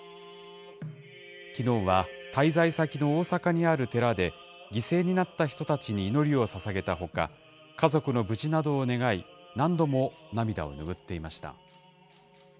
きのうは滞在先の大阪にある寺で、犠牲になった人たちに祈りをささげたほか、家族の無事などを願い、何度も涙を拭っていました。